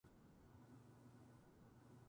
夜空の星々が、青白い光を放っている。